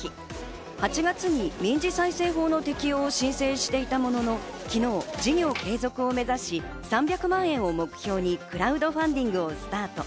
８月に民事再生法の適用を申請していたものの昨日、事業継続を目指し３００万円を目標にクラウドファンディングをスタート。